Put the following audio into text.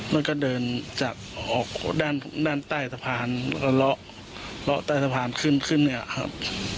มันก็เดินจากออกด้านด้านใต้สะพานแล้วก็เลาะใต้สะพานขึ้นขึ้นเนี่ยครับ